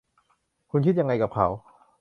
คุณคิดยังไงกับเขา